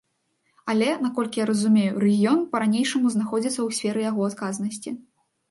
Але, наколькі я разумею, рэгіён, па-ранейшаму знаходзіцца ў сферы яго адказнасці.